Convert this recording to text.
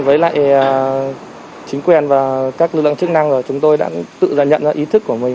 với lại chính quyền và các lực lượng chức năng là chúng tôi đã tự già nhận ra ý thức của mình